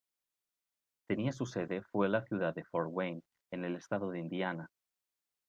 Tenía su sede fue la ciudad de Fort Wayne, en el estado de Indiana.